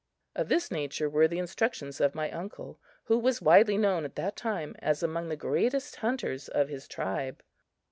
Of this nature were the instructions of my uncle, who was widely known at that time as among the greatest hunters of his tribe.